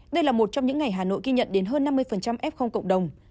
đây là một trong những ngày hà nội ghi nhận đến hơn năm mươi f cộng đồng